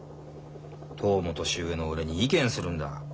十も年上の俺に意見するんだ。